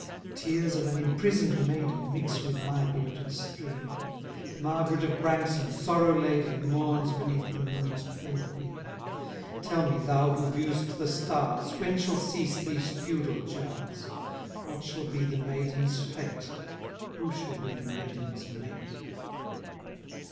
•* Tears of an imprison'd maiden Mix with my polluted stream , Margaret of Branksome, sorrow laden. Mourns beneath the moon's pale beam. » Tell me, thou, who view'st the stars. When shall cease these feudal jars ? What shall be the maiden's fete? Who shall be the maiden's mate